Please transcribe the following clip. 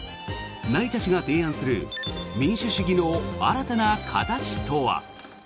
成田氏が提案する民主主義の新たな形とは。